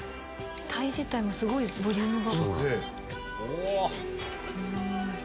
鯛自体もすごいボリュームが。